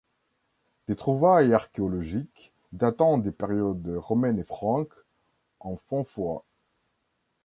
Des trouvailles archéologiques datant des périodes romaine et franque, en font foi.